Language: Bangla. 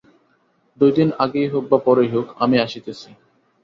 দুইদিন আগেই হউক বা পরেই হউক, আমি আসিতেছি।